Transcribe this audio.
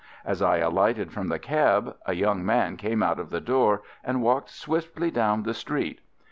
As I alighted from the cab, a young man came out of the door and walked swiftly down the street.